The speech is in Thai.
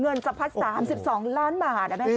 เงื่อนทรัพย์๓๒ล้านบาท